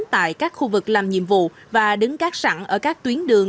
tại các khu vực làm nhiệm vụ và đứng cát sẵn ở các tuyến đường